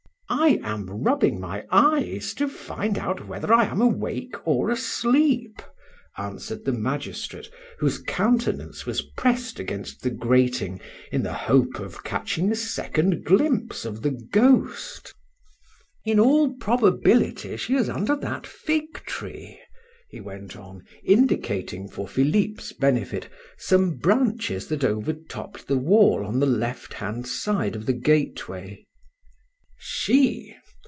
"I am rubbing my eyes to find out whether I am awake or asleep," answered the magistrate, whose countenance was pressed against the grating in the hope of catching a second glimpse of the ghost. "In all probability she is under that fig tree," he went on, indicating, for Philip's benefit, some branches that over topped the wall on the left hand side of the gateway. "She?